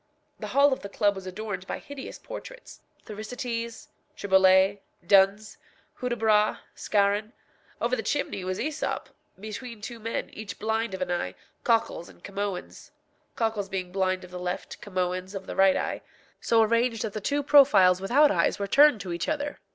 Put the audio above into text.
The hall of the club was adorned by hideous portraits Thersites, Triboulet, Duns, Hudibras, Scarron; over the chimney was Æsop, between two men, each blind of an eye, Cocles and Camoëns (Cocles being blind of the left, Camoëns of the right eye), so arranged that the two profiles without eyes were turned to each other.